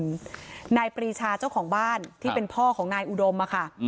คนนี้ว่าที่กรรมได้ถูกรับว่าในปีชาเจ้าของบ้านที่เป็นพ่อของนายอุดมิชุอร์มาค่ะ